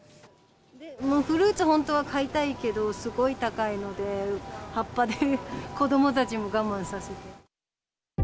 フルーツ、本当は買いたいけど、すごい高いので、葉っぱで子どもたちも我慢させて。